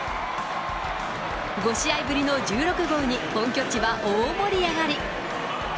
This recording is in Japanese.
５試合ぶりの１６号に、本拠地は大盛り上がり。